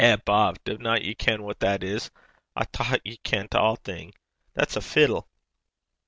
Bob, duvna ye ken what that is? I thocht ye kent a' thing. That's a fiddle.'